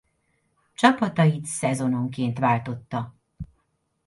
Csapatait szezononként váltotta.